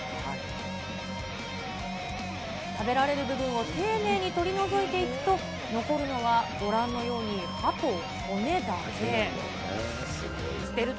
食べられる部分を丁寧に取り除いていくと、残るのはご覧のように歯と骨だけ。